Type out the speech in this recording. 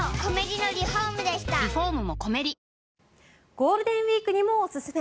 ゴールデンウィークにもおすすめ